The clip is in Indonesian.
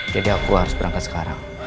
jadi aku harus berangkat sekarang